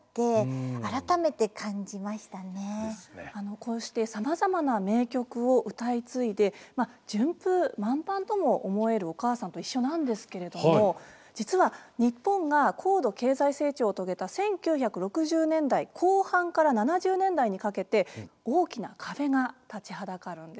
こうしてさまざまな名曲を歌い継いで順風満帆とも思える「おかあさんといっしょ」なんですけれども実は日本が高度経済成長を遂げた１９６０年代後半から７０年代にかけて大きな壁が立ちはだかるんです。